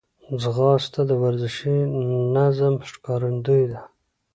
ځغاسته د ورزشي نظم ښکارندوی ده